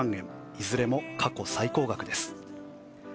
いずれも過去最高額です。